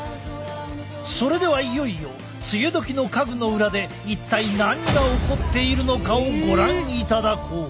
それではいよいよ梅雨時の家具の裏で一体何が起こっているのかをご覧いただこう。